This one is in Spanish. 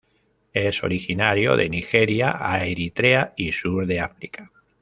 Es originario de Nigeria a Eritrea y sur de África.